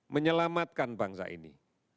menyelamatkan bangsa ini